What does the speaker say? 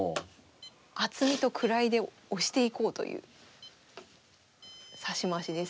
厚みと位で押していこうという指し回しです。